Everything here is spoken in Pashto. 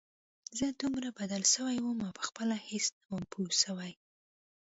زه دومره بدل سوى وم او پخپله هېڅ نه وم پوه سوى.